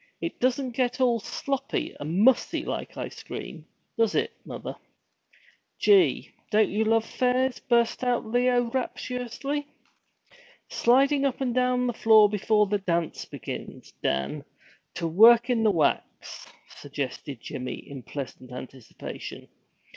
'It doesn't get all sloppy and mussy like ice cream, does it, mother?' 'Gee, don't you love fairs!' burst out Leo rapturously. 'Sliding up and down the floor before the dance begins, Dan, to work in the wax?' suggested Jimmy, in pleasant anticipation.